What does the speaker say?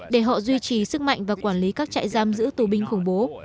để họ duy trì sức mạnh và quản lý các trại giam giữ tù binh khủng bố